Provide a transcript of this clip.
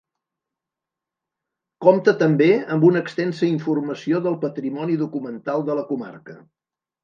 Compta també amb una extensa informació del patrimoni documental de la comarca.